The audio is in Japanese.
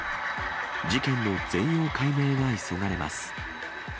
事件の全容解明が急がれます。